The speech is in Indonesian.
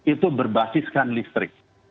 itu berbasiskan listrik